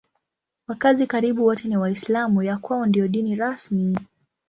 Wakazi karibu wote ni Waislamu; ya kwao ndiyo dini rasmi.